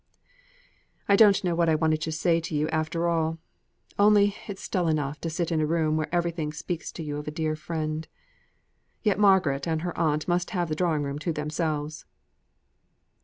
"I don't know what I wanted to say to you after all. Only it's dull enough to sit in a room where everything speaks to you of a dead friend. Yet Margaret and her aunt must have the drawing room to themselves!"